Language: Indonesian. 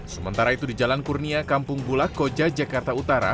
sementara itu di jalan kurnia kampung bulak koja jakarta utara